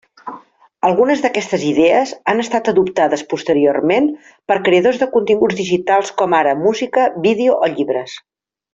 Algunes d'aquestes idees han estat adoptades posteriorment per creadors de continguts digitals com ara música, vídeo o llibres.